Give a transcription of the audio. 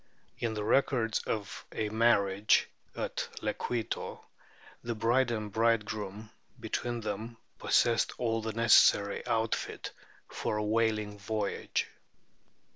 In the records of a marriage at Le queito the bride and bridegroom between them pos sessed all the necessary outfit for a whaling voyage.